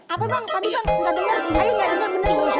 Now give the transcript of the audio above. apa bang tadi bang nggak denger